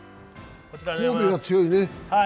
神戸が強いね。